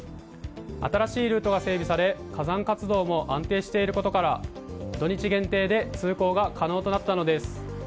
新しいルートが整備され火山活動も安定していることから土日限定で通行が可能となったのです。